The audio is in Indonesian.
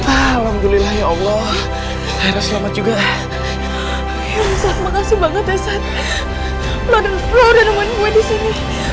alhamdulillah ya allah selamat juga makasih banget ya saat lo dan lo dan menemui disini